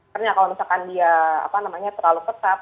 karena kalau misalkan dia terlalu ketat